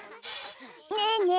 ねえねえ